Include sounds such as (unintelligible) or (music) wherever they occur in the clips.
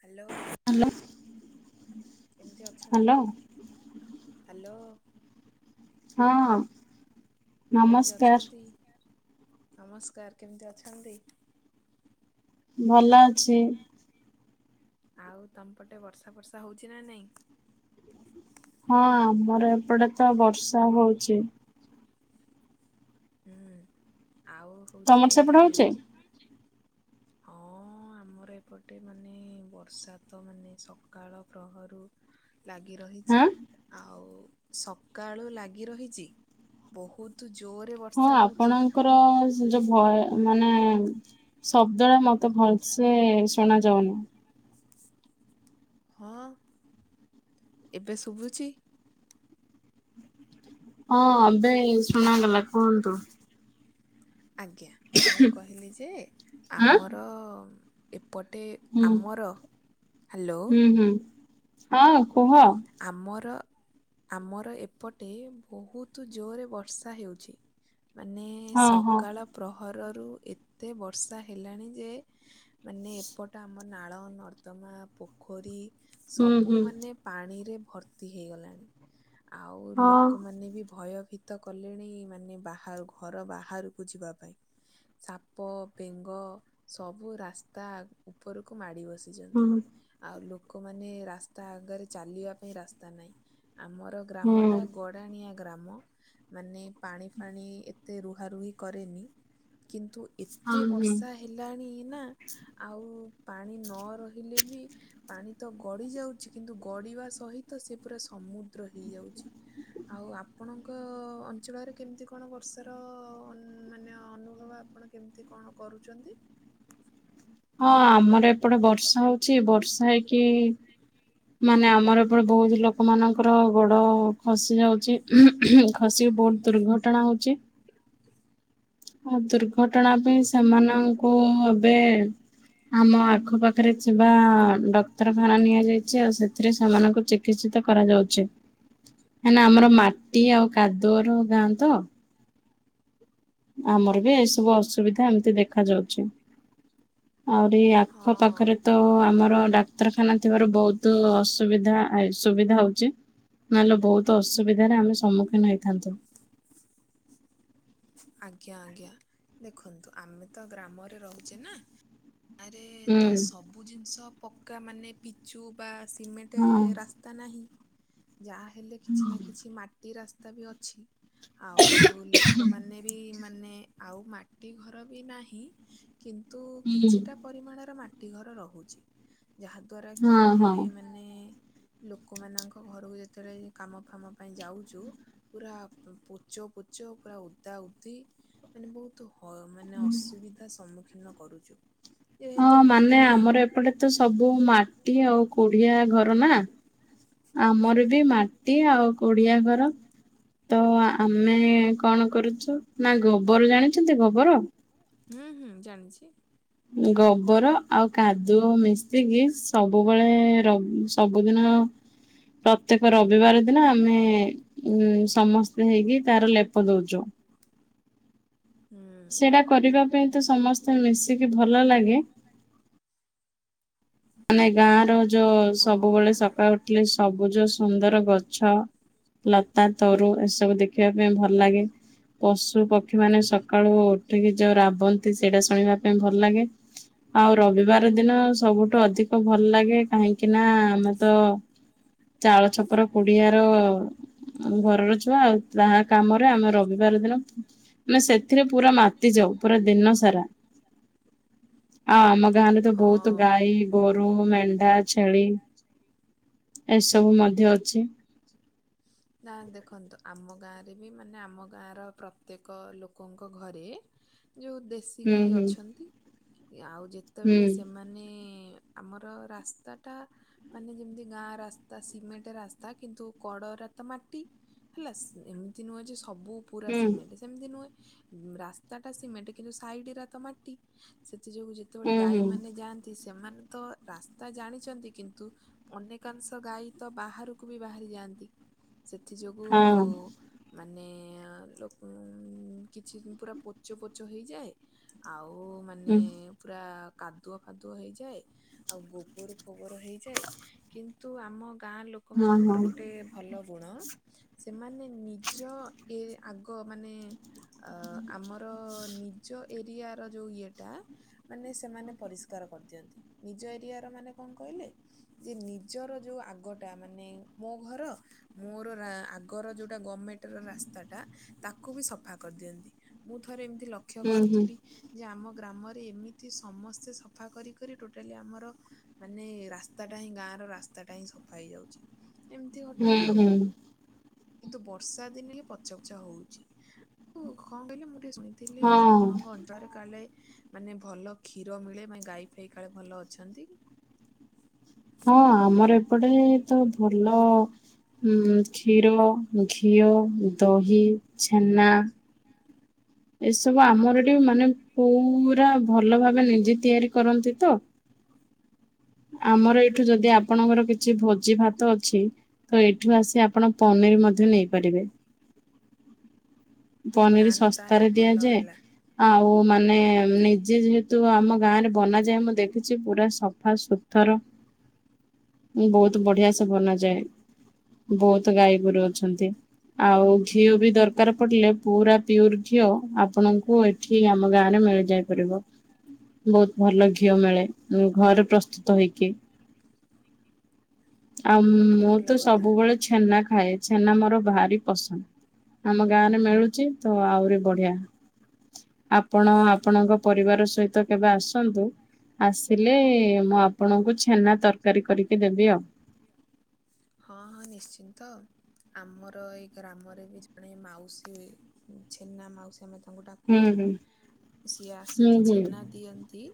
Hello hello କେମିତି ଅଛନ୍ତି? Hello hello. ହଁ। କେମିତି ନମସ୍କାର ଅଛନ୍ତି ନମସ୍କାର କେମିତି ଅଛନ୍ତି? ଭଲ ଅଛି। ଆଉ ତମ ପଟେ ବର୍ଷା ବର୍ଷା ହଉଛି ନା ନାଇଁ? ହଁ ଆମର ଏପଟେ ତ ବର୍ଷା ହଉଛି। ହୁଁ, ଆଉ ତମର ହଉଛି ସେପଟେ ହଉଛି? ହଁ-ଅ-ଅ ଆମର ଏପଟେ ମାନେ ବର୍ଷା ତ ମାନେ ସକାଳ ପ୍ରହରୁ ଲାଗି ରହିଛି, ହଁ ଆଉ ସକାଳୁ ଲାଗି ରହିଛି। ବହୁତ୍ ଜୋରରେ ହଁ ବର୍ଷା ହଉଛି। ଆପଣଙ୍କର ଯୋଉ ଭୟ ମାନେ ଶବ୍ଦଟା ମତେ ଭଲସେ ଶୁଣ ଯାଉନି। ହଁ ଏବେ ଶୁଭୁଛି? ହଁ ଏବେ ଶୁଣାଗଲା, କୁହନ୍ତୁ। ଆଜ୍ଞା, ମୁଁ କହିଲି ଯେ ଆଁ ଆମର ଏପଟେ ଆମର, ହ୍ୟାଲୋ ହୁଁହୁଁ, ହଁ କୁହ। ଆମର ଆମର ଏପଟେ ବହୁତ ଜୋରରେ ବର୍ଷା ହେଉଛି। ମାନେ-ଏ-ଏ ହଁ ହଁ ସକାଳ ପ୍ରହରରୁ ଏତେ ବର୍ଷା ହେଲାଣି ଯେ ମାନେ ଏପଟ ଆମ ନାଳ ନର୍ଦ୍ଦମା ପୋ ଖୋରୀ, ହୁଁ ସବୁ ହୁଁ ମାନେ ପାଣିରେ ଭର୍ତ୍ତି ହେଇଗଲାଣି। ଆଉ ହଁ ଲୋକମାନେ ବି ଭୟଭୀତ୍ ତ କଲେଣି ମାନେ ବାହାର ଘର ବାହାରକୁ ଯିବା ପାଇଁ। ସାପ ବେଙ୍ଗ ସବୁ ରାସ୍ତା ଉପରକୁ ମାଡ଼ି ବସ୍ ଯନ୍ତି ହୁଁ। ଆଉ ଲୋକମାନେ ରାସ୍ତା ଆଗରେ ଚାଲିବା ପାଇଁ ରାସ୍ତା ନାହିଁ, ଆମର ହୁଁ ଗ୍ରାମଟା ଗଡ୍ ଗଡାଣିଆ ଗ୍ରାମ, ମାନେ ପାଣି ଫାଣି ଏତେ ରୁହା ରୁହି କରେନି। କିନ୍ତୁ ହଁ ଏତେ ହୁଁ ହଁ ବର୍ଷା ହେଲାଣି ନା ଆଉ ପାଣି ନ ରହିଲେ ବି ପାଣି ତ ଗଡି ଯାଉଛି କିନ୍ତୁ ଗଡିବା ସହିତ ସେ ପୁରା ସମୁଦ୍ର ହେଇଯାଉଛି। ଆଉ ଆପଣଙ୍କ-ଅ-ଅ ଅଞ୍ଚଳରେ କେମିତି କଣ ବର୍ଷାର-ଅ-ଅ-ଅ ମାନେ ଅନୁଭବ ଆପଣ କେମିତି କଣ କରୁଚନ୍ତି? ହଁ ଆମର ଏପଟେ ବର୍ଷା ହଉଛି ବର୍ଷା ହେଇକି, ମାନେ ଆମର ଏପଟେ ବହୁତ ଲୋକମାନଙ୍କର ଗୋଡ଼ ଖସି ଯାଉଛି। ଖସିକି ବହୁତ ଦୁର୍ଘଟଣା ହଉଛି। ଆଉ ଦୁର୍ଘଟଣା ପାଇଁ ସେମାନଙ୍କୁ ଏବେ ଆମ ଆଖପାାଖରେ ଥିବା ଡକ୍ତରଖାନା ନିଆଯାଇଛି ଆଉ ସେଥିରେ ସେମାନଙ୍କୁ ଚିକ୍ ଚିକିତ୍ସିତ କରାଯାଉଛି, ମାନେ ଆମର ମାଟି ଆଉ କାଦୁଅର ଗାଆଁ ତ। ଆମର ବି ଏଇସବୁ ଅସୁବିଧା ଏମିତି ଦେଖା ଯାଉଛି। ଆହୁରିି ହଁ। ଆଖପାଖରେ ତ-ଅ-ଅ ଆମର ଡାକ୍ତରଖାନା ଥିବାରୁ ବହୁତ ଅସୁବିଧା ଆ ସୁବିଧା ହଉଛି। ନହେଲେ ବହୁତ ଅସୁବିଧାରେ ଆମେ ସମ୍ମୁଖୀନ ହେଇଥାନ୍ତୁ। ଆଜ୍ଞା-ଆଜ୍ଞା, ଦେଖନ୍ତୁ ଆମେ ତ ଗ୍ରାମରେ ରହୁଛେ ନା? ଆରେ ହଁ ତ ସବୁ ଜିନିଷ ପକ୍କା ମାନେ ପି ଚୁ ବା ସିମେଣ୍ଟ ହୁଁ ରାସ୍ତା ନାହିଁ ଯାହା ହେଲେ କିଛି ନା କିଛି ମାଟ୍ ଟି ରାସ୍ତା ବି ଅଛି ଆଉ ଲୋକମାନେ ବି ମାନେ ଆଉ ମାଟି ଘର ବି ନାହିଁ କିନ୍ତୁ କିଛିଟା ପରିମାଣର ମାଟି ଘର ରହୁଛି, ଯାହା ଦ୍ଵାରା କି ହଁ ଆମେ ହଁ ମାନେ ଲୋକମାନଙ୍କ ଘରକୁ ଯେତେବେଳେ ଏଇ କାମ ଫାମ ପାଇଁ ଯାଉଚୁ ପୁରା ପୋଚ ପୋଚ ପୁରା ଓ ତା ଉତି ମାନେ ବହୁତ ହ ମାନେ ଅସୁବିଧା ସମ୍ମୁଖୀନ କରୁଚୁ। ହଁ ଯେହେତୁ ମାନେ। ଆମର ଏପଟେ ତ ସବୁ ମାଟି ଆଉ କୁଡିଆ ଘର ନା। ଆମର ବି ମାଟି ଆଉ କୋଡିଆ ଘର। ତ ଆମେ କଣ କରୁଛୁ ନା ଗୋବର ଜାଣିଛନ୍ତି ଗୋବର। ହୁଁ ହୁଁ ଜାଣିଛି। ଗୋବର ଆଉ କାଦୁଅ ମିଶିକି ଶି ସବୁବେଳେ ର ସବୁଦିନ ପ୍ରତ୍ୟେକ ରବିବାର ଦିନ ଆମେ। ଉଁ ସମସ୍ତେ ହେଇକି ତାର ଲେପ ଦଉଚୁ। ହୁଁ। ସେଇଟା କରିବା ପାଇଁ ତ ସମସ୍ତେ ମିଶିକି ଭଲ ଲାଗେ। ମାନେ ଗାଁ ର ଯୋ ହଁ ସବୁବେଳେ ନା ସକାଳ ଉ ଖିଲେ ସବୁଜ ସୁନ୍ଦର ଗଛ ଲତା ତରୁ ଏସବୁ ଦେ ଦେଖିବା ପାଇଁ ଭଲ ଲାଗେ ପଶୁ, ପକ୍ଷୀ, ମାନେ ସକାଳୁ ଉଠିକି ଯୋଉ ରାବନ୍ତି ସେଇଟା ଶୁଣିବା। ଭଲ ଲାଗେ ଆଉ ରବିବାର ଦିନ ସବୁ ଠ ଅଧିକ ଭଲ ଲାଗେ କାହିଁକି ନା ଆମେ ତ ଚାଳ ଛପର କୁଡିଆର ଘରର ଛୁଆ ଆଉ। ଯାହା କାମରେ ଆମେ ରବିବାର ଦିନ। ମାନେ ସେଥିରେ ପୁରା ମାତି ଯାଉ ପୁରା ଦିନ ସାରା। ଆ ଆମ ଗାଁ ରେ ତ ବହୁତ ଗାଈ। ଗୋରୁ, ମେଣ୍ଢା, ଛେଳି ଏସବୁ ମଧ୍ୟ ଅଛି। ନା ଦେଖନ୍ତୁ ଆମ ଗାଁରେ ବି ମାନେ ଆମ ଗାଁର ପ୍ରତ୍ୟେକ ଲୋକଙ୍କ ଘରେ। ଯୋଉ ଦେଶୀ ହୁଁ ଗାଈ ହୁଁ ଅଛନ୍ତି ଆଉ ହୁଁ ଯେତେବେଳେ ସେମା ମାନେ ଆମର ରାସ୍ତାଟା ମାନେ ଯେମିତି ଗାଁ ରାସ୍ ତା ସିମେଣ୍ଟ ରାସ୍ତା କିନ୍ତୁ କଡ଼ରା ତ ମାଟି ହେଲା ଏମିତି ନୁହେଁ ଯେ ସବୁ। ପୁରା ହୁଁ ସିମେଣ୍ଟେ। ସେମିତି ନୁହେଁ ରାସ୍ତା ଟା ସିମେଣ୍ଟ କିନ୍ତୁ ସାଇଡରା ତ ମାଟି ସେଥି ଯୋଗୁ ଯେ ଯେତେବେଳେ ହୁଁ ହୁଁ ଗାଈମାନୋନ ଯାଆନ୍ତି ସେମାନେ ତ ରାସ୍ତା ଜାଣିଛନ୍ତି କିନ୍ତୁ ଅନେକାଂସ୍ ତ ଗାଈ ତ ବାହାରକୁ ବି ବାହାରି ଯାଆନ୍ତି ସେଥି ଯୋଗୁ। ହଁ ମାନେ ଲୋକ କିଛି ପୁରା ପୋଚ ପୋଚ ହେଇଯାଏ। ଆଉ ମାନେ। ହୁଁ ପୁରା କାଦୁଅ ଫାଦୁଅ ହେଇଯାଏ ଆଉ ଗୋବର ଫୋବର ହେଇଯାଏ କିନ୍ ନ୍ତୁ ଆମ ଗାଁ ଲୋକ ହଁ ହଁ ମାନଙ୍କର ଗୋଟେ ଭଲ ଗୁଣ। ସେମାନେ ନିଜ ଏ ଆଗ ମାନେ। ଅ ଆମର ନିଜ ଏରିଆ ର ଯୋଉ ଇଏଟା। ମାନେ ସେମାନେ ପରିଷ୍କାର କରିଦିଅନ୍ତି ନିଜ ଏରିଆ ର ମାନେ କଣ କହିଲେ ଯେ ନି ଜର ଯଉ ଆଗଟା ମାନେ ମୋ ଘର। ମୋର ରା ଆଗର ଯୋଉଟା ଗଭମେଣ୍ଟର ରାସ୍ତାଟା ତାକୁ ବି ସଫା କରିଦିଅନ୍ତି। ମୁଁ ଥରେ ଏମିତି ଲକ୍ଷ୍ୟ ହୁଁ ହୁଁ କରୁଥିଲି। ଯେ ଆମ ଗ୍ରାମରେ ଏମିତି ସମସ୍ତେ ସଫା କରି କରି ଟୋଟାଲି ଆମର। ମାନେ ରାସ୍ତାଟା ହିଁ ଗାଁ ର ରାସ୍ତାଟା ହିଁ ସଫା ହେଇଯାଉଚି ଏମିତି ହୁଁ ଘଟଣା ଆଉ। ହୁଁ କିନ୍ତୁ ବର୍ଷା ଦିନେ ଇଏ ପଚ ପଚ ହଉଛି କୁ କଣ କହିଲେ ମୁଁ ଟିକେ ଶୁଣି ଥିଲି ହଁ ଆପଣଙ୍କ ଅ କାଳେ ମାନେ ଭଲ କ୍ଷୀର ମିଳେ ମାନେ ଗାଈ ଫାଇ କାଳେ ଭଲ ଅଛନ୍ତି। ହଁ ଆମର ଏପଟେ ତ ଭଲ। ହୁଁ କ୍ଷୀର, ଘିଅ, ଦହି, ଛେନା। (unintelligible) ଏସବୁ ଆମର ଟିକେ ମାନେ ପୁରା ଭଲ ଭାବେ ନିଜେ ତିଆରି କରନ୍ତି ତ ଆମର ଏଇଠୁ ଯଦି ଆପଣଙ୍କର କିଛି ଭୋଜି ଭାତ ଅଛି। ତ ଏଠୁ ଆସି ଆପଣ ପନିର ମଧ୍ୟ ନେଇପାରିବେ। ନା ପନିର ନା ତାହେଲେ ଶସ୍ତାରେ ଭଲ ଦିଆଯାଏ। ହେଲା। ଆଉ ମାନେ ନିଜେ ଯେହେତୁ ଆମ ଗାଁରେ ବନାଯାଏ ମୁଁ ଦେଖିଛି ପୁରା ସଫା ସୁତର ବହୁତ ବଢିଆ ସେ ବନାଯାଏ। ବହୁତ ଗାଈ ଗୋରୁ ଅଛନ୍ତି ଆଉ ଘିଅ ବି ଦରକାର ପିଲେ ପୁରା ପିର ଘିଅ ଆପଣଙ୍କୁ ଏଠି ଆମ ଗାଁ ରେ ମିଳି ଯାଇ ପାରିବ। ବହୁତ ଭଲ ଘିଅ ମିଳେ ଘରେ ପ୍ରସ୍ତୁତ ହୋଇକି ଆଉ ମୁଁ ଭଲ ତ କଥା। ସବୁବେଳେ ଛେନା ଖାଏ ଛେନା ମୋର ଭାରି ପସନ୍ଦ ଆମ ଗାଁରେ ମିଳୁଛି ତ ଆହୁରି ବଢିଆ ଆପଣ ଆପଣଙ୍କ ପରିବାର ସହିତ ତ କେବେ ଆସନ୍ତୁ। ଆସିଲେ ମୁଁ ଆପଣଙ୍କୁ ଛେନା ତରକାରୀ କରିକି ଦେବି ଆଉ। ହଁ ହଁ ନିଶ୍ଚିନ୍ତ। ଆମର ଏଇ ଗ୍ରାମରେ ବି ଜଣେ ମାଉସୀ ଛେନା ମାଉସୀ (unintelligible) ତାଙ୍କୁ ଡାକୁ ହୁଁ ହୁଁ। ସିଏ ଆସିକି ଛେନା ହୁଁ ଦିଅନ୍ତି।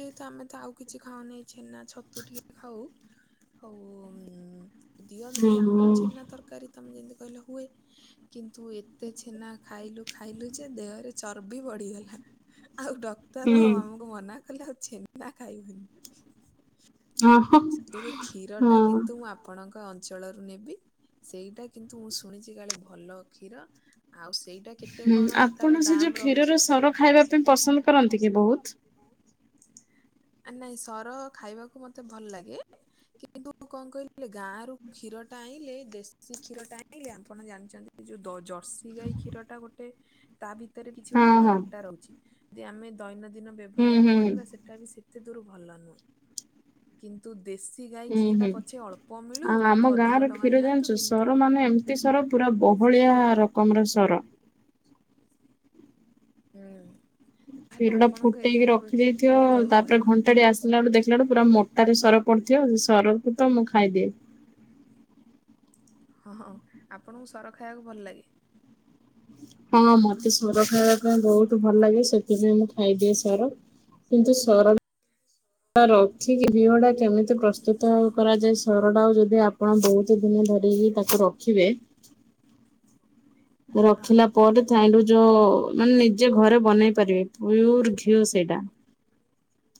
ଯେହେତୁ ଆମେ ତ ଆଉ କିଛି ଖାଉନହି ଛେନା ଛତୁ ଟିକେ ଖାଉ ହଉ। ଉ ଦିଅନ୍ତି ଆମର ଛେନା ତରକାରୀ ତମେ ଯେମତି କହିଲ ହୁଏ। କିନ୍ତୁ ଏତେ ଛେନା ଖାଇଲୁ ଖାଇଲୁ ଯେ ଦେହରେ ଚର୍ବି ବଢିଗଲା। ଆଉ ଡକ୍ଟର ହଁ ଆମକୁ ମନା କଲେ ଆଉ ଛେନା ଖାଇବୁନି। ହଁ ସେ ଯୋଗୁ କ୍ଷୀର ଟା କିନ୍ତୁ ମୁଁ ଆ ଆପଣଙ୍କ ଅଞ୍ଚଳରୁ ନେବି ସେଇଟା କିନ୍ତୁ ମୁଁ ଶୁଣିଛି କାଳେ ଭଲ କ୍ଷୀର ଆଉ ସେଇଟା କେତେ ହୁଁ କଣ ଆପଣ ତାର ସେ ଯୋଉ ଦାାମ କ୍ଷୀରର ରହୁଛି ସର ଖାଇବା କ୍ଷୀରର ପାଇଁ ସର ପସନ୍ଦ ଖାଇବା ପାଇଁ କରନ୍ତି କି ପସନ୍ଦ ବହୁତ? କରନ୍ତି କି ବହୁତ ନାଇଁ ସର ଖାଇବାକୁ ମତେ ଭଲ ଲାଗେ। କିନ୍ତୁ କଣ କହିଲେ ଗାଁ ର କ୍ଷୀର ଟା ଆଣିଲେ ଦେଶୀ କ୍ଷୀର ଟା ଆଣିଲେ ଆପଣ ଜାଣିଛନ୍ତି ସେଇ ଯୋଉ ଜର୍ସି ଗାଈ କ୍ଷୀରଟା ଗୋଟେ ତା ଭିତରେ କିଛି ହଁ ଗୋଟେ ହଁ ଖରାପ ଟା ରହୁଛି ଯେ ଆମେ ଦୈନନ୍ଦିନ ହୁଁ ବ୍ୟବହାର ହୁଁ କରିବା ସେ ଏଇଟା ବି ସେତେ ଦୂର ଭଲ ନୁହେଁ। କିନ୍ତୁ ଦେଶୀ ଗାଈ ହୁଁ କ୍ଷୀରଟା ହୁଁ ପଛେ ଅଳ୍ପ ମିଳୁ ଆ କିନ୍ତୁ ଆମ ଗାଁ ଅଧିକ ର ଟଙ୍କା କ୍ଷୀର ନିଅନ୍ତୁ ଜାଣିଛୁ କିନ୍ତୁ ସର ମାନେ ଏ ସର ପୁରା ବହଳିଆ ରକମର ସର। ହୁଁ। ତାହେଲେ କ୍ଷୀର ଟା ଆପଣଙ୍କ ଫୁଟେଇକି ଏରିଆରେ ବ- କ୍ଷୀର ରଖିଦେଇଥିବ ଦହି ଭଲ ତାପରେ ଘଣ୍ଟାଟି ଆସ ଦେଖିଲାଟୁ ମୋଟାରେ ସର ପଡିଥିବ ସେ ସର କୁ ତ ମୁଁ ଖାଇଦିଏ। ହଁ ହଁ ଆପଣଙ୍କୁ ସର ଖାଇବାକୁ ଭଲ ଲାଗେ। ହଁ ମତେ ସର ଖାଇବା ପାଇଁ ବହୁତ ଭଲ ଲାଗେ ସେଥିପାଇଁ ମୁଁ ଖାଇଦିଏ ସର। କିନ୍ତୁ ସର ସର ଟା ରହୁଛି ଘିଅ ଟା କେମିତି ପ୍ରସ୍ତୁତ କରାଯାଏ ସରଟାକୁ ଯଦି ଆ ଆପଣ ବହୁତ ଦିନ ଧରିିକି ତାକୁ ରଖିବେ। ହଁ ରଖିଲା ପରେ ତାଇଣ୍ଡୁ ଯୋଉ ମାନେ ନିଜେ ଘରେ ବନେଇ ପାରିବେ (unintelligible) ଘିଅ ସେଇଟା। ସେ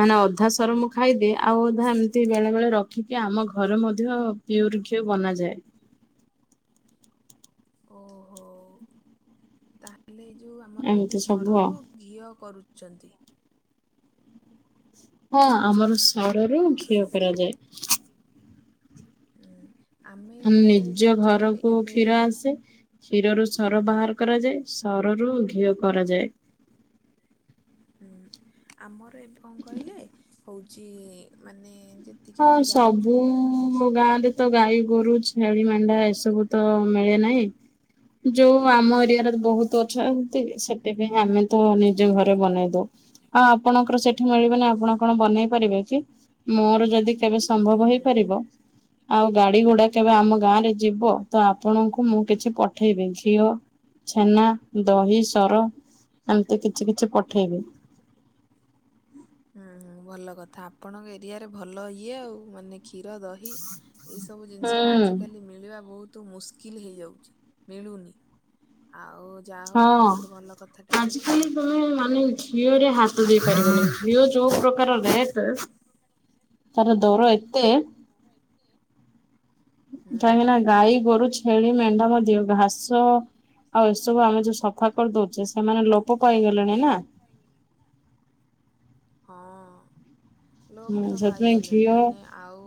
ମାନେ ଅଧା ସର ମୁଁ ଖାଇଦିଏ ଆଉ ଅଧା ଏମିତି ବେଳେ ବେଳେ ରଖ ଖି କି ଆମ ଘରେ ମଧ୍ୟ ପିଓର ଘିଅ ବନାଯାଏ। ଓହୋ ତାହେଲେ ଏ ଯୋଉ ଆମର ଏମିତି ଏଇ ସବୁ ଆଉ ସରରୁ। ଘିଅ କରୁଛନ୍ତି। ହଁ ଆମର ସର ରୁ ହଁ। ଘିଅ କରାଯାଏ। ଉଁ। ଆମେ ଗୋଟେ ନିଜ ଜାଣିଛନ୍ତି ଗୋଟେ ଘରକୁ ଏବେ କ୍ଷୀର ଆସେ। କ୍ଷୀରରୁ ସର ବାହାର କରାଯାଏ ସରରୁ ଘିଅ କରାଯାଏ। ହୁଁ ଆମର ଏବେ କଁ କହିଲେ ହଉଛି ମାନେ ଯେ ହଁ ସବୁ ଗାଁରେ। ତ ଗାଈ ଗୋରୁ ଛେଳି ମଣ୍ଢା ଏସବୁ ତ ମିଳେ ନାହିଁ ଯୋଉ ଆମ ଏରି ଆରେ ବହୁତ ଅଛନ୍ତି ସେଥିପାଇଁ ଆମେ ତ ନିଜ ଘରେ ବନେଇ ଦଉ। ଆଉ ଆପଣଙ୍କର ସେଠି ମିଳିବ ନାହିଁ ଆପଣ କଣ ବନେଇ ପାରିବେ କି। ମୋର ଯଦି କେବେ ହୁଁ ସମ୍ଭବ ହେଇପାରିବ ଆଉ ଗାଡି ଗୁଡା କେବେ ଆମ ଗାଁ ରେ ଯିବ ତ ଆପଣଙ୍କୁ ମୁଁ କିଛି ପଠେଇବି ଘିଅ ଛେନା। ଦହି ସର ଏମିତି କିଛି କିଛି ପଠେଇବି। ହୁଁ ହଁ ଭଲ କଥା ଆପଣଙ୍କ ଏରିଆରେ ଭଲ ଇଏ ଆଉ ମାନେ। କ୍ଷୀର ଦହି ଏହିଇସବୁ ଜିନିଷ ଗୁରା ହୁଁ। ଆଜିକାଲି ମିଳିବା ବହୁତ ମୁସ୍କ କିଲ୍ ହେଇଯାଉଛି ମିଳୁନି ଆଉ। ଯାହା ହଉ ହଁ ଆପଣଙ୍କଠୁ ଭଲ କଥାଟା ଆମେ ଆଜିକାଲି ଶୁଣିଲୁ। ତମେ ମାନେ। ଘିଅରେ ହାତ ଦେଇ ପାରିବନି ଘିଅ ଯୋଉ ପ୍ରକାର ରେଟେ। ତାର ଦର ଏତେ। (unintelligible) ହୁଁ କାହିଁକିନା ଗାଈ ଗୋରୁ ଛେଳି ମେଣ୍ଢା ମଧ୍ୟ ଘାସ ଆଉ ଏସବୁ ଆମେ ଯୋଉ ସଫା। କରି ଦଉଛେ ସେମାନେ ଲୋପ ପାଇଗଲେଣି ନା। ହଁ। ଲୋପ ହୁଁ ତ ସେଥିପାଇଁ ପାଇଗଲେଣି ମାନେ ଆଉ।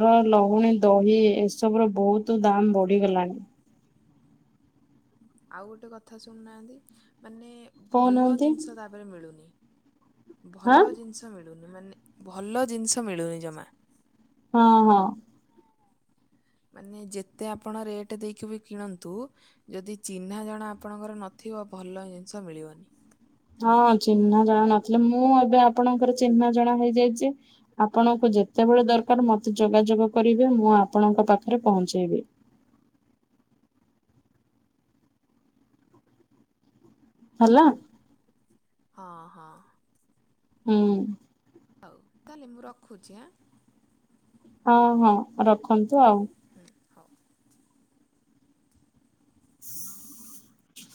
ଘିଅ ଲହୁଣୀ ଦହି ଏସବୁ ର ବହୁତ ଦାମ ବଢିଗଲାଣି। ଆଉ ଗୋଟେ କଥା ଶୁଣୁନାହାନ୍ତି ମାନେ ଭଲ କହୁନାହାନ୍ତି ଜିନିଷ ତାପରେ ମିଳୁନି। ହଁ ଭଲ ଜିନିଷ ମିଳୁନି ମାନେ ଭଲ ଜିନିଷ ମିଳୁନି ଜମା। ହଁ ହଁ। ମାନେ ଯେତେ ଆପଣ ରେଟ୍ ଦେଇକି ବି କିଣନ୍ତୁ। ଯଦି ଚିହ୍ନା ଜଣା ଆପଣଙ୍କର ନଥିବ ଭଲ ଜିନିଷ ମିଳିବନି। ହଁ ଚିହ୍ନା ଜଣା ନଥିଲେ ମୁଁ ଏବେ ଆପଣଙ୍କର ଚିହ୍ନା ଜଣା ହେଇଯାଇଛି। ଆପଣଙ୍କୁ ଯେତେବେଳେ ଦରକାର ମତେ ଯୋଗାଯୋଗ କରିବେ ମୁଁ ଆପଣଙ୍କ ପାଖରେ ପହଞ୍ଚେଇବି। ହେଲା। ହଁ ହଁ। ହୁଁ। ହଉ ତାହେଲେ ମୁଁ ରଖୁଛି ଆଁ। ହଁ ହଁ ରଖନ୍ତୁ ଆଉ। ହ ଉ। ହଁ